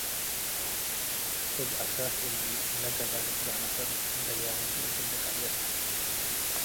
እብ አሳስ እሊ ለገብአ ልግበእ ነፈር ደያነቱ እግል ልቀይር፡